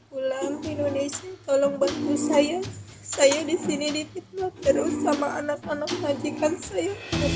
pulang ke indonesia tolong bantu saya saya disini di pitwa terus sama anak anak majikan saya